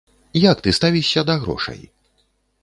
Як ты ставішся да грошай?